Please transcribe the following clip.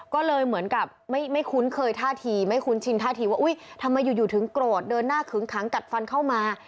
ก็เลยเหมือนกับไม่คุ้นเคยท่าทีไม่คุ้นชินท่าทีว่าอุ้ยทำไมอยู่ถึงโกรธเดินหน้าขึงขังกัดฟันเข้ามา